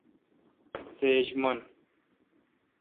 سیج من۔